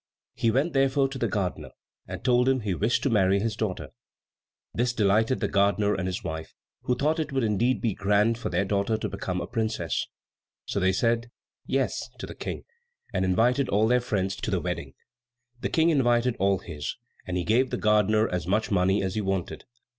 He went, therefore, to the gardener and told him he wished to marry his daughter. This delighted the gardener and his wife, who thought it would indeed be grand for their daughter to become a princess. So they said "Yes" to the King, and invited all their friends to the wedding. The King invited all his, and he gave the gardener as much money as he wanted.